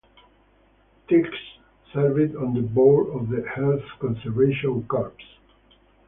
Tiegs served on the board of the Earth Conservation Corps.